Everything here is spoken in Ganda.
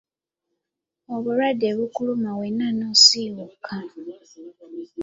Obulwadde bukuluma wenna n'osiiwuuka.